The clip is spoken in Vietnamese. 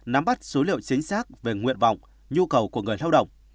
nắm bắt số liệu chính xác về nguyện vọng nhu cầu của người lao động